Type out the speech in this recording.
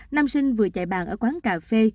nam sinh vừa chạy bàn ở quán cà phê